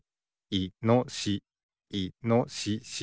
いのしし。